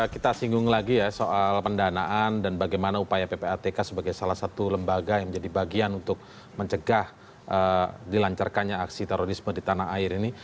kita singgung lagi ya soal pendanaan dan bagaimana upaya ppatk sebagai salah satu lembaga yang menjadi bagian untuk mencegah dilancarkannya aksi terorisme di tanah air ini